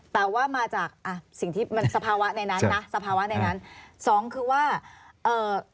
แต่ว่ามาจากสภาวะในนั้น